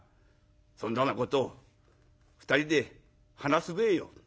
そんだなこと２人で話すべえよ」。